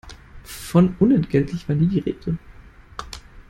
Von unentgeltlich war nie die Rede.